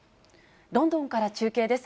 ロンドンから中継です。